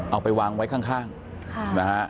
เอาไปวางไว้ข้างนะฮะ